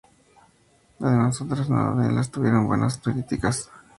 Además otras de sus novelas tuvieron buenas críticas.